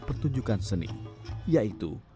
pertunjukan seni yaitu